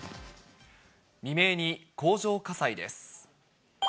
未明に工場火災です。